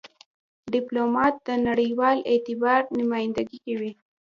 ډيپلومات د نړېوال اعتبار نمایندګي کوي.